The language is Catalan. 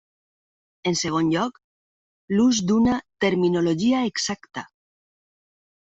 En segon lloc, l'ús d'una terminologia exacta.